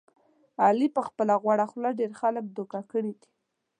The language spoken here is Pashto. علي په خپله غوړه خوله ډېر خلک دوکه کړي دي.